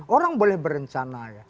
orang boleh berencana ya